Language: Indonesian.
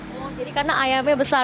oh jadi karena ayamnya besar